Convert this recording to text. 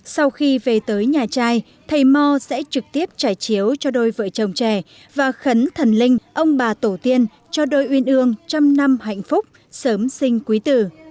sau khi về tới nhà trai thầy mò sẽ trực tiếp trải chiếu cho đôi vợ chồng trẻ và khấn thần linh ông bà tổ tiên cho đôi uyên ương trăm năm hạnh phúc sớm sinh quý tử